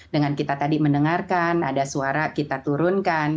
dengan kita tadi mendengarkan ada suara kita turunkan